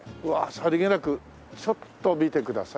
さりげなくちょっと見てください